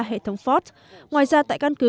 hệ thống ford ngoài ra tại căn cứ